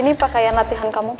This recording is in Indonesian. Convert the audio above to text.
ini pakaian latihan kamu